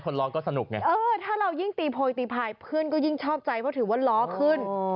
ล้อก็สนุกไงเออถ้าเรายิ่งตีโพยตีพายเพื่อนก็ยิ่งชอบใจเพราะถือว่าล้อขึ้น